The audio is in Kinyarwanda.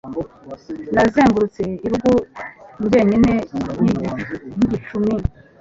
Nazengurutse irungu njyenyinenkigicu n